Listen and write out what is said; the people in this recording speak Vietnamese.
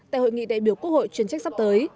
tại hội nghị đại biểu quốc hội chuyên trách sắp tới